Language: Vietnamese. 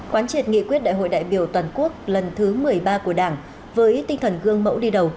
quán triệt nghị quyết đại hội đại biểu toàn quốc lần thứ một mươi ba của đảng với tinh thần gương mẫu đi đầu